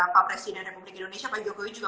pak presiden republik indonesia pak jokowi juga